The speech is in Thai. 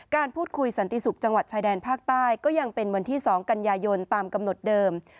การพูดคุยสันติศุกร์จังหวัดชายแดนภาคใต้ก็ยังเป็นวันที่๒กันยายนตามกำหนดเดิม